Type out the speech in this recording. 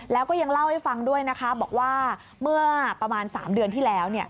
แล้วก็ยังเล่าให้ฟังด้วยนะคะบอกว่าเมื่อประมาณ๓เดือนที่แล้ว